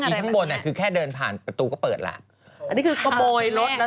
ข้างบนอะแค่เดินผ่านประตูก็เปิดละอันนี้คือกระโมยรถและรถจักรยานยนต์ทั้งสองอย่าง